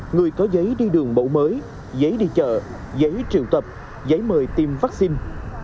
người có giấy đi đường bộ mới giấy đi chợ giấy triệu tập giấy mời tiêm vaccine